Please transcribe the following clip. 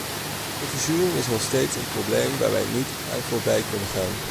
De verzuring is nog steeds een probleem waar wij niet aan voorbij kunnen gaan.